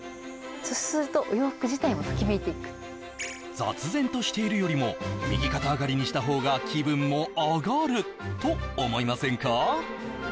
そうすると雑然としているよりも右肩上がりにした方が気分も上がると思いませんか？